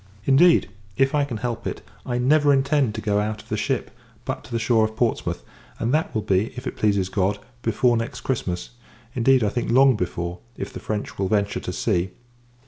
Indeed, if I can help it, I never intend to go out of the ship, but to the shore of Portsmouth; and that will be, if it pleases God, before next Christmas. Indeed, I think, long before, if the French will venture to sea.